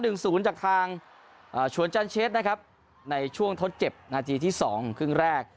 หนึ่งศูนย์จากทางอ่าชวนจันเชสนะครับในช่วงทดเจ็บนาทีที่สองครึ่งแรก